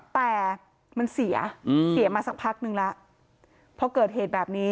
แต่มันเสียเสียมาสักพักนึงแล้วพอเกิดเหตุแบบนี้